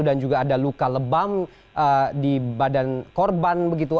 dan juga ada luka lebam di badan korban begitu